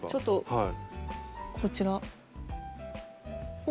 はい。